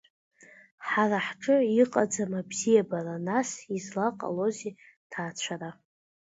Ҳара ҳҿы, иҟаӡам абзиабара, нас, излаҟалозеи аҭаацәара?